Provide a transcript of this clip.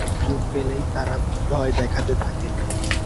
সুযোগ পেলেই তারা ভয় দেখাতে থাকে।